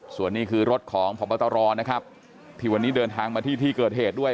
ส่วนนี้คือรถของพบตรนะครับที่วันนี้เดินทางมาที่ที่เกิดเหตุด้วย